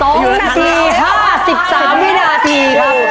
๒นาที๕๓วินาที